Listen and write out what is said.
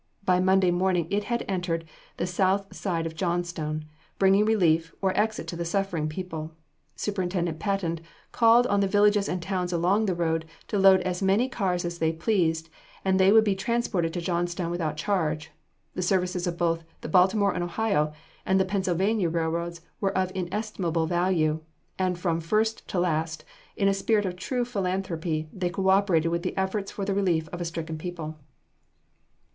By Monday morning it had entered the south side of Johnstown, bringing relief, or exit to the suffering people. Superintendent Patton called on the villages and towns along the road to load as many cars as they pleased, and they would be transported to Johnstown without charge. The services of both the Baltimore & Ohio and the Pennsylvania Roads were of inestimable value, and from first to last, in a spirit of true philanthrophy, they co operated with the efforts for the relief of a stricken people.